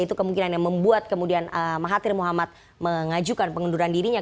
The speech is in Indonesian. itu kemungkinan yang membuat kemudian mahathir muhammad mengajukan pengunduran dirinya